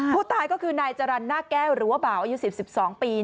ผู้ตายก็คือนายจรรย์หน้าแก้วหรือว่าบ่าวอายุ๑๐๒ปี